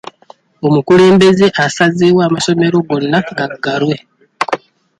Omukulembeze asazeewo amasomero gonna gaggalwe.